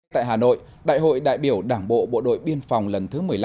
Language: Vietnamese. tại hà nội đại hội đại biểu đảng bộ bộ đội biên phòng lần thứ một mươi năm